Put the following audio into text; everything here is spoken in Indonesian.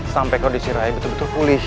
sampai kondisi raya betul betul pulih